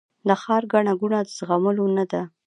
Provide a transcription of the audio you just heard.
د ښار ګڼه ګوڼه د زغملو نه ده